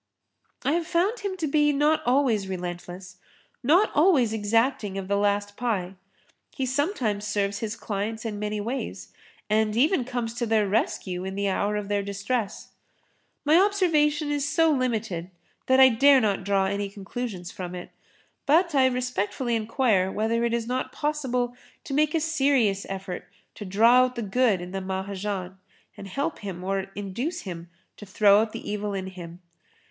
I have found him to be not always[Pg 28] relentless, not always exacting of the last pie. He sometimes serves his clients in many ways and even comes to their rescue in the hour of their distress. My observation is so limited that I dare not draw any conclusions from it, but I respectfully enquire whether it is not possible to make a serious effort to draw out the good in the Mahajan and help him or induce him to throw out the evil in him.